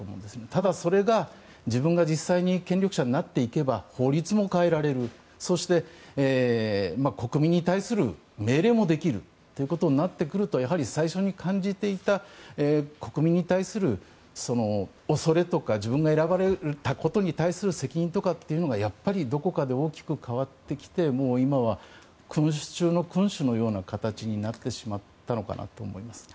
ただそれが自分が実際に権力者になっていけば法律も変えられるそして、国民に対する命令もできるということになってくるとやはり最初に感じていた国民に対する恐れとか自分が選ばれたことに対する責任とかっていうのがどこかで大きく変わってきて今は君主のような形になってしまったのかなと思います。